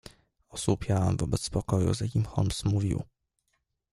"Osłupiałem wobec spokoju, z jakim Holmes mówił."